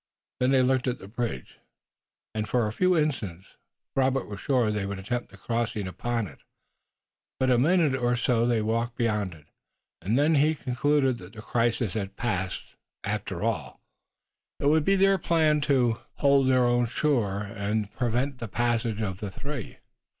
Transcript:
Then they looked at the bridge, and, for a few instants, Robert was sure they would attempt the crossing upon it. But in a minute or so they walked beyond it, and then he concluded that the crisis had passed. After all, it would be their plan to hold their own shore, and prevent the passage of the three.